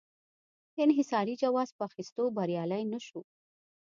د انحصاري جواز په اخیستو بریالی نه شو.